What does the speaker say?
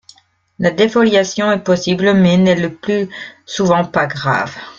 La défoliation est possible mais n’est le plus souvent pas grave.